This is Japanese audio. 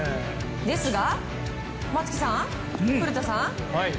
ですが、松木さん、古田さん